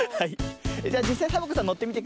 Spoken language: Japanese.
じゃじっさいサボ子さんのってみてください。